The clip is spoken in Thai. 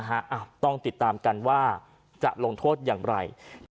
ต้องติดตามกันว่าจะลงโทษอย่างไร